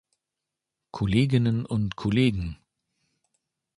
Kolleginnen und Kollegen!